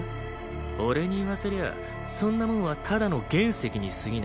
俺に言わせりゃそんなもんはただの原石にすぎない。